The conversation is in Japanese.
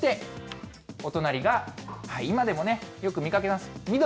そして、お隣が今でもよく見かけます。